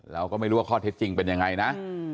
เราก็ไม่รู้ว่าข้อเท็จจริงเป็นยังไงนะ